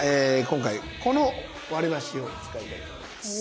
今回この割りばしを使いたいと思います。